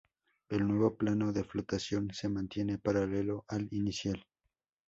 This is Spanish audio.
El nuevo plano de flotación se mantiene paralelo al inicial.